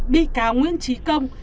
bị cáo nguyễn trí công